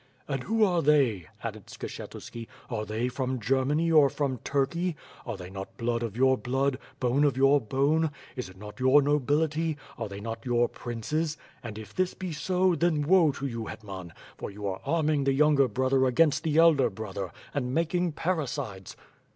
"And who are they," added Skshetuski, "Are they from Germany or from Turkey? Are they not blood of your blood, bone of your bone? Is it not your nobility; are they not your princes? And, if this be so, then woe to you, llet man, for you arc arming the younger brother against the elder brother, and making parricides?